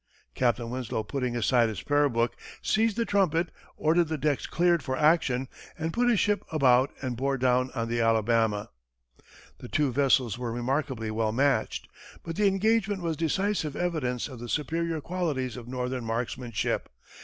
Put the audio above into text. Captain Winslow, putting aside his prayer book, seized the trumpet, ordered the decks cleared for action, and put his ship about and bore down on the Alabama. The two vessels were remarkably well matched, but the engagement was decisive evidence of the superior qualities of northern marksmanship.